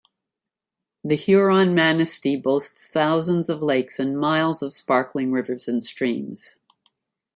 The Huron-Manistee boasts thousands of lakes and miles of sparkling rivers and streams.